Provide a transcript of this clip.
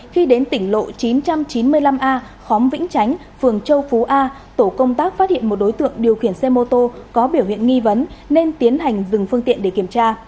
khi đến tỉnh lộ chín trăm chín mươi năm a khóm vĩnh chánh phường châu phú a tổ công tác phát hiện một đối tượng điều khiển xe mô tô có biểu hiện nghi vấn nên tiến hành dừng phương tiện để kiểm tra